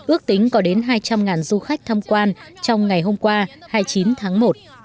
ước tính có đến hai trăm linh du khách tham quan trong ngày hôm qua hai mươi chín tháng một